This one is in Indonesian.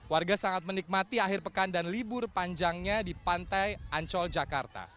warga sangat menikmati akhir pekan dan libur panjangnya di pantai ancol jakarta